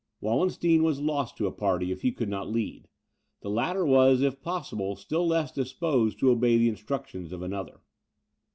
Wallenstein was lost to a party, if he could not lead; the latter was, if possible, still less disposed to obey the instructions of another.